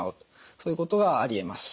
そういうことがありえます。